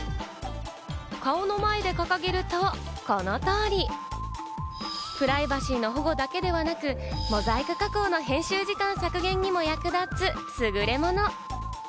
顔の前で掲げると、この通り。プライバシーの保護だけではなく、モザイク加工の編集時間削減にも役立つすぐれもの。